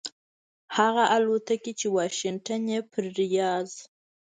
هغه الوتکې چې واشنګټن یې پر ریاض